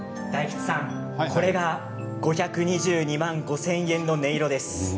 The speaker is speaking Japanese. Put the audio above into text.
大吉さん、これが５２２万５０００円の音色です。